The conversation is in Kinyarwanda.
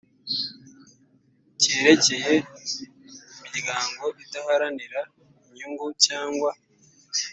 ryerekeye imiryango idaharanira inyungu cyangwa